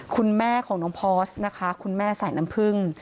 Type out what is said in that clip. คุณแม่ของน้องพอร์สนะคะคุณแม่ใส่น้ำผึ้ง